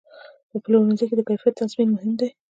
په پلورنځي کې د کیفیت تضمین مهم دی.